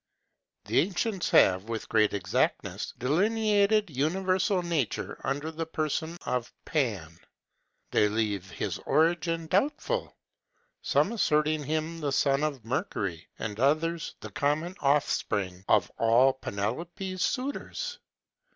The ancients have, with great exactness, delineated universal nature under the person of Pan. They leave his origin doubtful; some asserting him the son of Mercury, and others the common offspring of all Penelope's suitors.